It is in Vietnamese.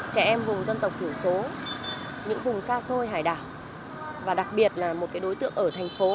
trẻ em vùng dân tộc thiểu số những vùng xa xôi hải đảo và đặc biệt là một đối tượng ở thành phố